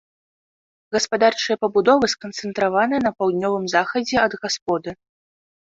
Гаспадарчыя пабудовы сканцэнтраваныя на паўднёвым захадзе ад гасподы.